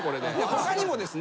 他にもですね